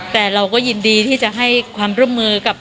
แต่เราก็ยินดีที่จะให้ความร่วมมือกับ